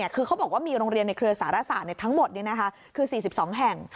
คือเขาบอกว่ามีโรงเรียนในเครือสารศาสตร์ทั้งหมดคือ๔๒แห่ง